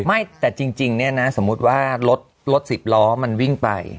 ไม่แต่จริงเนี่ยนะสมมุติว่ารถสิบล้อมันวิ่งไป